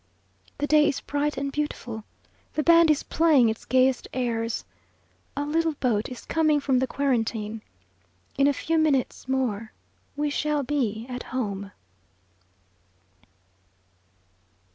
The day is bright and beautiful. The band is playing its gayest airs. A little boat is coming from the Quarantine. In a few minutes more we shall be _at home!